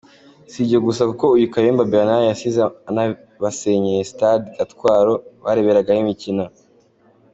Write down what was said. Sibyo gusa kuko uyu Kayumba Bernard yasize anabasenyeye Stade Gatwaro bareberagaho imikino.